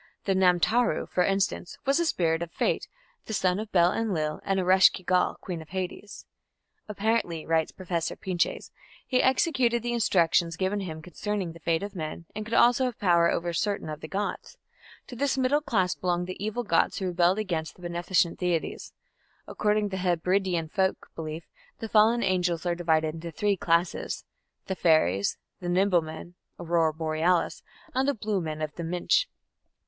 The "namtaru", for instance, was a spirit of fate, the son of Bel Enlil and Eresh ki gal, queen of Hades. "Apparently", writes Professor Pinches, "he executed the instructions given him concerning the fate of men, and could also have power over certain of the gods." To this middle class belong the evil gods who rebelled against the beneficent deities. According to Hebridean folk belief, the fallen angels are divided into three classes the fairies, the "nimble men" (aurora borealis), and the "blue men of the Minch".